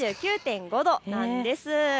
３９．５度なんです。